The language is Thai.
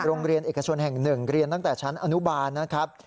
โรงเรียนเอกชนแห่ง๑เรียนตั้งแต่ชั้นอนุบาลนะครับ